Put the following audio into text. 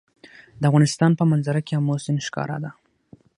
د افغانستان په منظره کې آمو سیند ښکاره ده.